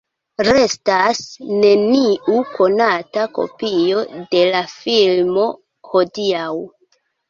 Restas neniu konata kopio de la filmo hodiaŭ.